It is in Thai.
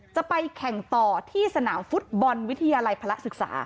จะไปแข่งต่อที่สนามฟุตบอลวิทยาลัยพระศึกษา